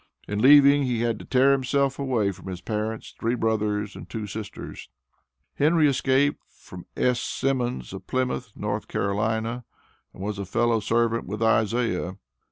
In leaving, he had to "tear himself away" from his parents, three brothers, and two sisters. Henry escaped from S. Simmons of Plymouth, North Carolina, and was a fellow servant with Isaiah.